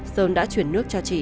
sơn đã chuyển nước cho trị